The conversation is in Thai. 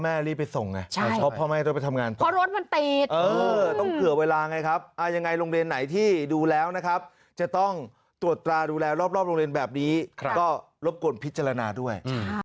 คือโรงเรียนในเมืองอ่ะครับหลวงเด็นไหนที่ดูแล้วนะครับจะต้องตรวจรารวร์รรดรอบโรงเรียนแบบนี้ก็รบโกนพิจารณาด้วย